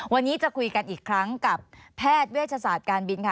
วันนี้จะคุยกันอีกครั้งกับแพทย์เวชศาสตร์การบินค่ะ